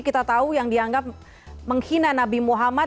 kita tahu yang dianggap menghina nabi muhammad